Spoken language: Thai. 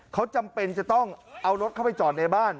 เขาจำเป็นจะต้องเอารถเข้าไปจอดในบ้าน